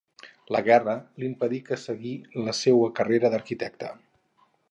La guerra li impedí que seguir la seua carrera d'arquitecte.